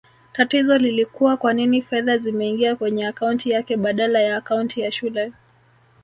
Tatizo lilikua kwanini fedha zimeingia kwenye akaunti yake badala ya akaunti ya shule